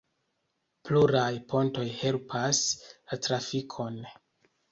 Pluraj pontoj helpas la trafikon.